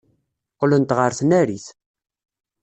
Qqlent ɣer tnarit.